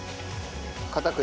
片栗？